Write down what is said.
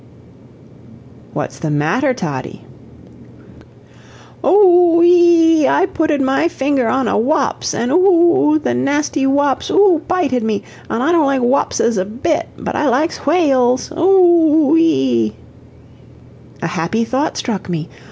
"What's the matter, Toddie?" "Oo oo ee ee ee EE I putted my finger on a waps, and oo oo the nasty waps oo bited me. An' I don't like wapses a bit, but I likes whay als oo ee ee." A happy thought struck me.